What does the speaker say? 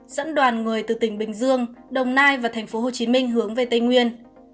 dẫn đoàn người từ tỉnh bình dương đồng nai và tp hcm hướng về tây nguyên